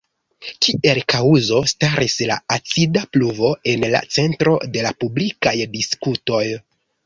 Kiel kaŭzo staris la acida pluvo en la centro de la publikaj diskutoj.